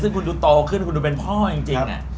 ซึ่งคุณคุณกูโตขึ้นคุณเป็นพ่อจริงอะ